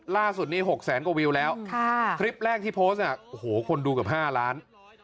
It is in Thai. ล่าสุดนี้๖แสนกว่าวิวแล้วคลิปแรกที่โพสต์คนดูเกือบ๕ล้าน